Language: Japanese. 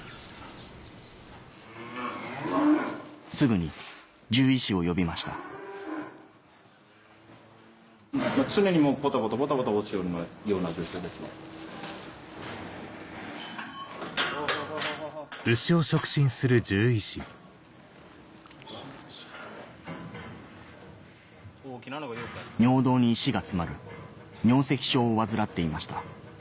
すぐに獣医師を呼びました尿道に石が詰まる尿石症を患っていました